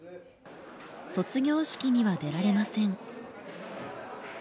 卒業式には出られません。